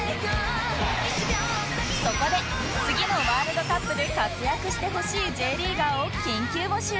そこで次のワールドカップで活躍してほしい Ｊ リーガーを緊急募集